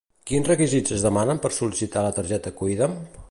Quins requisits es demanen per sol·licitar la targeta Cuida'm?